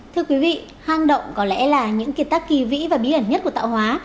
thưa quý vị hang động có lẽ là những kiệt tác kỳ vĩ và bí ẩn nhất của tạo hóa